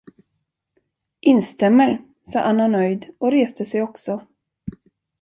Instämmer, sade Anna Nöjd och reste sig också.